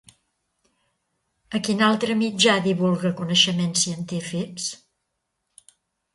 A quin altre mitjà divulga coneixements científics?